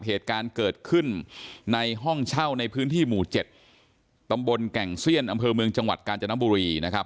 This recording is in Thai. เหตุการณ์เกิดขึ้นในห้องเช่าในพื้นที่หมู่๗ตำบลแก่งเซียนอำเภอเมืองจังหวัดกาญจนบุรีนะครับ